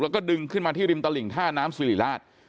แล้วก็ดึงขึ้นมาที่ริมตลิ่งท่าน้ำสิริราช